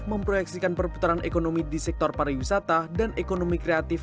memproyeksikan perputaran ekonomi di sektor pariwisata dan ekonomi kreatif